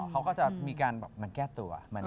เขาก็จะมีการแก้ตัว